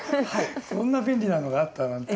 そんな便利なのがあったなんて。